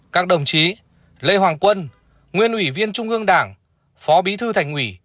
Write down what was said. các đồng chí lê hoàng quân nguyên ủy viên trung ương đảng phó bí thư thành ủy